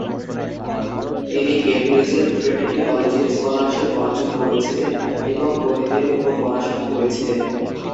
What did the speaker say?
তিনি কেমব্রিজের ট্রিনিটি কলেজের স্কলারশিপ অর্জন করেছিলেন এবং গণিতের উপর পড়াশোনা করেছিলেন।